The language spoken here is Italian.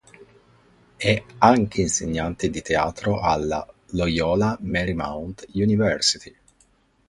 È anche insegnante di teatro alla "Loyola Marymount University".